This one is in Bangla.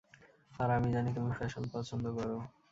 আর আমি জানি তুমি ফ্যাশন পছন্দ করো।